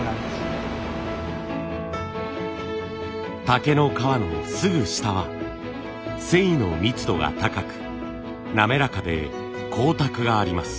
竹の皮のすぐ下は繊維の密度が高く滑らかで光沢があります。